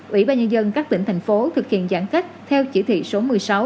ủy ban nhân dân các tỉnh thành phố thực hiện giãn cách theo chỉ thị số một mươi sáu